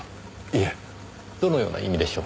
いえどのような意味でしょう？